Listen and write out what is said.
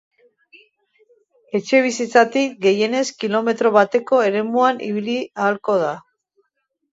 Etxebizitzatik gehienez kilometro bateko eremuan ibili ahalko da.